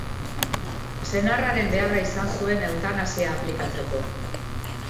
Senarraren beharra izan zuen eutanasia aplikatzeko.